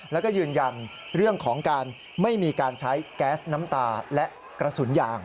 แล้วก็ยืนยันเรื่องของการไม่มีการใช้แก๊สน้ำตาและกระสุนยาง